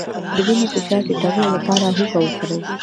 د وینې فشار ټیټولو لپاره هوږه وخورئ